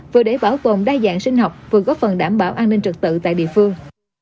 vừa để bảo tồn đa dạng sinh học vừa góp phần đảm bảo an ninh trật tự tại địa phương